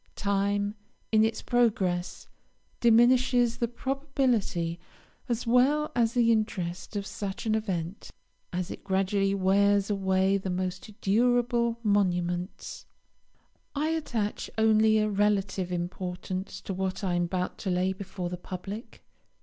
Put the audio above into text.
Time, in its progress, diminishes the probability as well as the interest of such an event, as it gradually wears away the most durable monuments. I attach only a relative importance to what I am about to lay before the public.